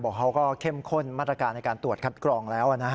เขาก็เข้มข้นมาตรการในการตรวจคัดกรองแล้ว